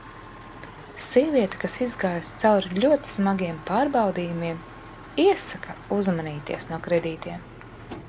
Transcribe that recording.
Sieviete, kas izgājusi cauri ļoti smagiem pārbaudījumiem, iesaka uzmanīties no kredītiem.